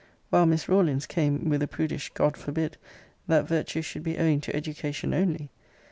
While Miss Rawlins came with a prudish God forbid that virtue should be owing to education only!